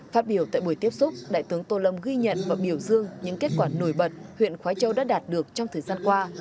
phát biểu tại buổi tiếp xúc đại tướng tô lâm ghi nhận và biểu dương những kết quả nổi bật huyện khói châu đã đạt được trong thời gian qua